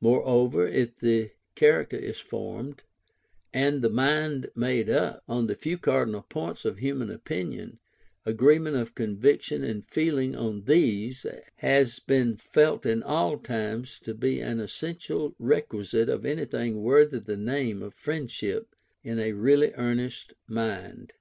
Moreover, if the character is formed, and the mind made up, on the few cardinal points of human opinion, agreement of conviction and feeling on these, has been felt in all times to be an essential requisite of anything worthy the name of friendship, in a really earnest mind.